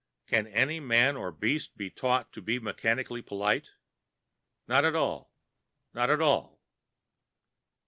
Can any man or beast be taught to be mechanically polite? Not at all—not at all!...